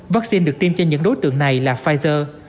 vaccine được tiêm cho những đối tượng này là pfizer